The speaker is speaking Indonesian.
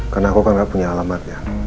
karena aku kan gak punya alamatnya